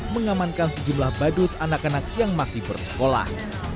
mengamankan sejumlah badut anak anak yang masih bersekolah